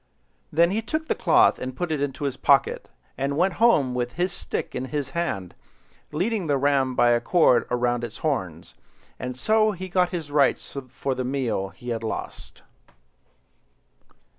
Then he took the cloth and put it into his pocket, and went home with his stick in his hand, leading the ram by a cord round its horns; and so he got his rights for the meal he had lost.